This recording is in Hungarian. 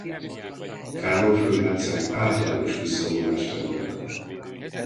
Károly főherceg általános visszavonulást rendelt el.